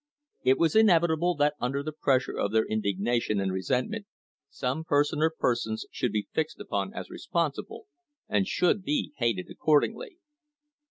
It was inevitable that under the pressure of their indigna tion and resentment some person or persons should be fixed upon as responsible, and should be hated accordingly.